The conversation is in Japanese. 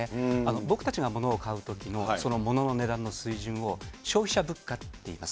僕たちが物を買うときのその物の値段の水準を消費者物価っていいます。